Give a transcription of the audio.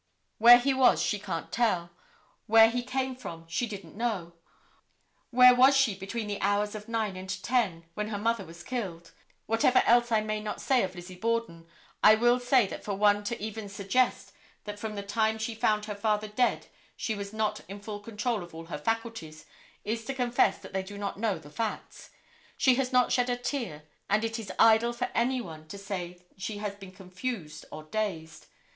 Where he was she can't tell; where he came from she didn't know; where was she between the hours of nine and ten, when her mother was killed; whatever else I may not say of Lizzie Borden, I will say that for one to even suggest that from the time she found her father dead she was not in full control of all her faculties, is to confess that they do not know the facts. She has not shed a tear, and it is idle for any one to say she has been confused or dazed.